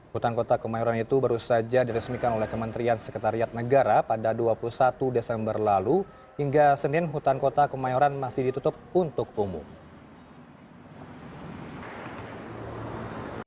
hutan kota kemayoran itu baru saja diresmikan oleh kementerian sekretariat negara pada dua puluh satu desember lalu hingga senin hutan kota kemayoran masih ditutup untuk umum